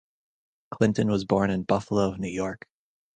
Clinton was born in Buffalo, New York.